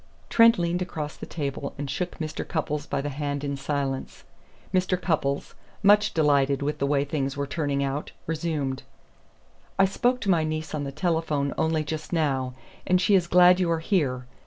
Trent leaned across the table and shook Mr. Cupples by the hand in silence. Mr. Cupples, much delighted with the way things were turning out, resumed: "I spoke to my niece on the telephone only just now, and she is glad you are here.